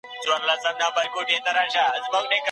د حدیبې په سوله کي ډېره مهمه پېښه وسوه.